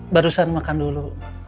barusan makan dulu